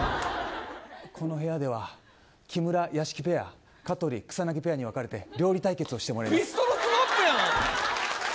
この部屋では木村、屋敷ペア香取、草なぎペアに分かれて料理対決をしてもらいます。